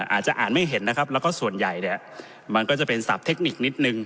อาจจะอ่านไม่เห็นนะครับแล้วก็ส่วนใหญ่เนี่ยมันก็จะเป็นศัพทเทคนิคนิดนึง